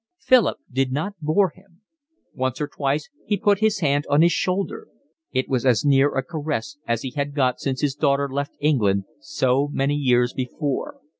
Philip did not bore him. Once or twice he put his hand on his shoulder: it was as near a caress as he had got since his daughter left England so many years before.